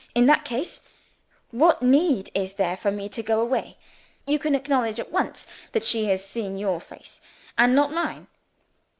In that case, what need is there for me to go away? You can acknowledge at once that she has seen your face, and not mine?'